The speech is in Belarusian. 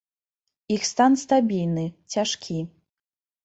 Іх стан стабільны, цяжкі.